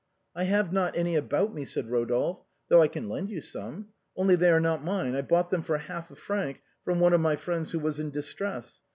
" I have not any about me," said Eodolphe, " though I can lend you some. Only they are not mine, I bought them for half a franc from one of my friends who was in dis , tress.